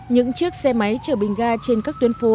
những chiếc xe máy chở bình ga trên các tuyến phố